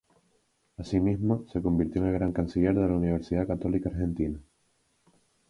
Asimismo, se convirtió en el Gran Canciller de la Universidad Católica Argentina.